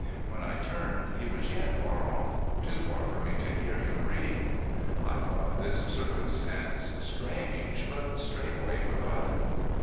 When I turned he was yet far off too far for me to hear him breathe. I thought this circumstance strange but straightway forgot it.